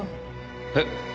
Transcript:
えっ？